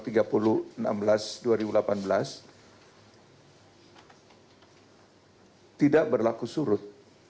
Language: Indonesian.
tidak berlaku surut